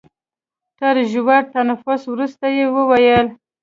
تر ژور تنفس وروسته يې وويل.